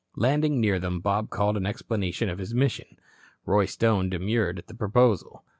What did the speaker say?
Landing near them, Bob called an explanation of his mission. Roy Stone demurred at the proposal.